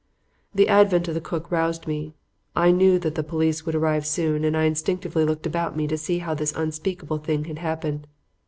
"The advent of the cook roused me. I knew that the police would arrive soon and I instinctively looked about me to see how this unspeakable thing had happened.